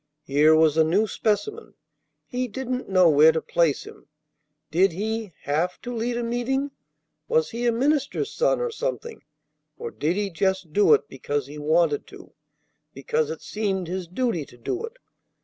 Here was a new specimen. He didn't know where to place him. Did he have to lead a meeting? Was he a minister's son or something, or did he just do it because he wanted to, because it seemed his duty to do it?